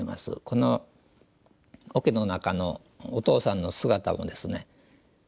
このおけの中のお父さんの姿をですね